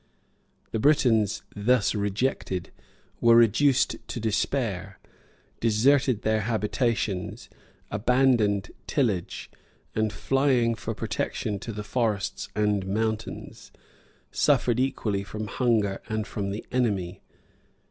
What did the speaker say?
1692.] The Britons, thus rejected, were reduced to despair, deserted their habitations, abandoned tillage, and flying for protection to the forests and mountains, suffered equally from hunger and from the enemy.